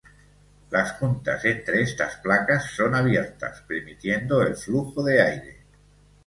Las juntas entre estas placas son abiertas, permitiendo el flujo de aire.